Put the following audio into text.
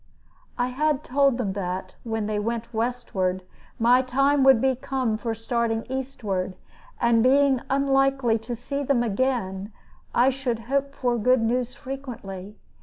I had told them that, when they went westward, my time would be come for starting eastward; and being unlikely to see them again, I should hope for good news frequently.